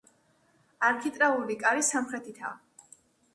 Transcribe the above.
არქიტრავული კარი სამხრეთითაა.